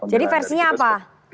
jadi versinya apa